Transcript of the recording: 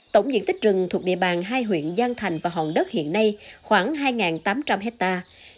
tổng diện tích rừng thuộc địa bàn hai huyện giang thành và hòn đất hiện nay khoảng hai tám trăm linh hectare